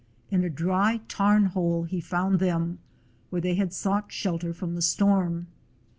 In a dry tarn hole he found them, where they had sought shelter from the storm.